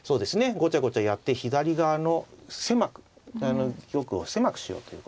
ごちゃごちゃやって左側の狭く玉を狭くしようということですね。